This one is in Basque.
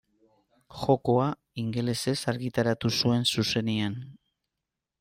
Jokoa ingelesez argitaratu zuen zuzenean.